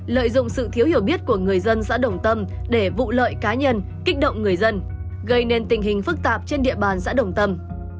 lợi dụng sự thiếu hiểu biết của người dân xã đồng tâm để vụ lợi cá nhân kích động người dân gây nên tình hình phức tạp trên địa bàn xã đồng tâm